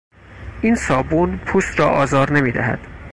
این صابون پوست را آزار نمیدهد.